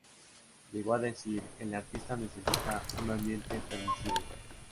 Llegó a decir: ""El artista necesita un ambiente permisivo.